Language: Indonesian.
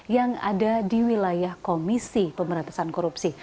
yang ada di wilayah komisi pemberantasan korupsi